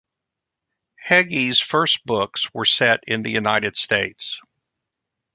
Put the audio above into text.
Hegi's first books were set in the United States.